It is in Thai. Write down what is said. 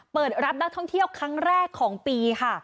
เปิดรับนักท่องเที่ยวครั้งแรกของปีค่ะ